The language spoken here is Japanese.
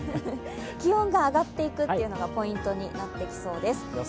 気温が上がっていくというのがポイントになってきそうです。